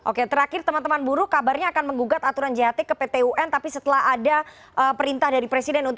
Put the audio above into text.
oke terakhir teman teman buruh kabarnya akan menggugat aturan jht ke pt un tapi setelah ada perintah dari presiden